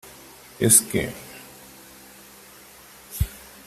es que ...